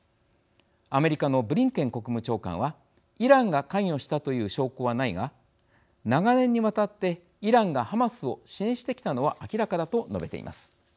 アメリカのブリンケン国務長官は「イランが関与したという証拠はないが長年にわたってイランがハマスを支援してきたのは明らかだ」と述べています。